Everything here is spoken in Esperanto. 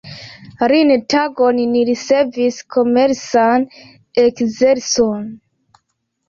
Iun tagon ni ricevis komercan ekzercon.